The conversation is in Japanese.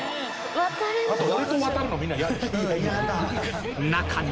あと俺と渡るのみんな嫌でしょ。